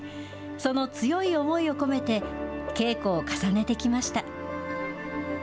その強い思いを込めて、稽古を重ねてきました。